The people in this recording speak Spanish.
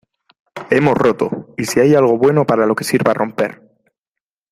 hemos roto, y si hay algo bueno para lo que sirva romper